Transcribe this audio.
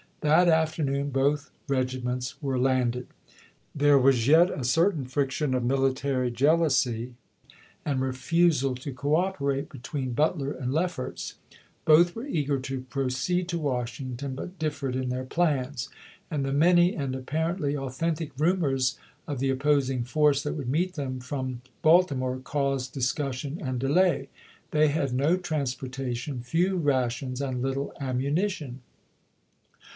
That afternoon, both regiments were landed. There was yet a certain friction of military jealousy and refusal to cooperate between Butler and Lefferts; both were eager to proceed to Washington, but differed in their plans ; and the many and apparently authentic rumors of the opposing force that would meet them from Bal timore caused discussion and delay. They had no transportation, few rations, and little ammunition.